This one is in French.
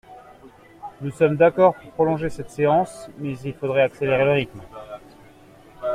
Nous sommes d’accord pour prolonger cette séance, mais il faudrait accélérer le rythme.